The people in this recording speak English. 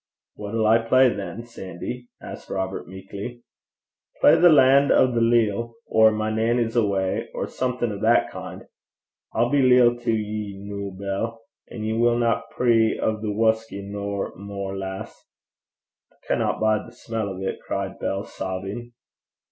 'What'll I play than, Sandy?' asked Robert meekly. 'Play The Lan' o' the Leal, or My Nannie's Awa', or something o' that kin'. I'll be leal to ye noo, Bell. An' we winna pree o' the whusky nae mair, lass.' 'I canna bide the smell o' 't,' cried Bell, sobbing.